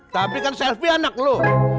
tapi kan selfie anak loh